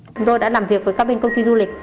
chúng tôi đã làm việc với các bên công ty du lịch